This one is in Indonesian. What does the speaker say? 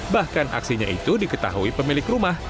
bahkan aksinya itu diketahui pemilik rumah